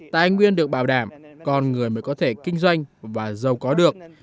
tài nguyên được bảo đảm con người mới có thể kinh doanh và giàu có được